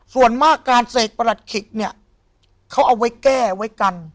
ส่วนมากการเสกประหลัดขิกเนี่ยเขาเอาไว้แก้ไว้กัน